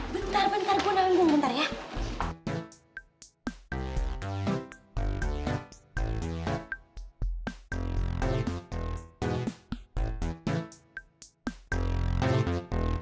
bentar bentar gue nangis dulu bentar ya